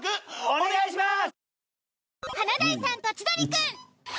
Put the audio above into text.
お願いします！